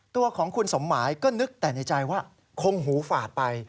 ตัวของคุณสมหมายก็นึกแต่ในใจว่าคงหูฝาดไป